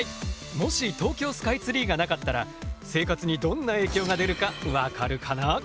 もし東京スカイツリーがなかったら生活にどんな影響が出るか分かるかな？